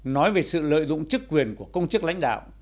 nói về sự lợi dụng chức quyền của công chức lãnh đạo